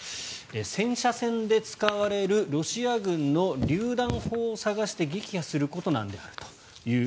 戦車戦で使われるロシア軍のりゅう弾砲を探して撃破することなんであると。